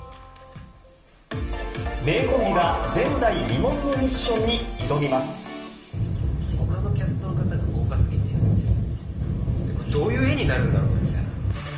名コンビが前代未聞のミッシほかのキャストの方が豪華すぎて、どういう絵になるんだろうみたいな。